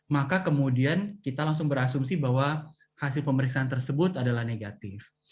maka kemudian kita langsung berasumsi bahwa hasil pemeriksaan tersebut adalah negatif